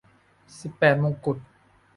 สิบแปดมงกุฎ